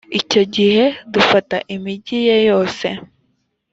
icyo gihe dufata imigi ye yose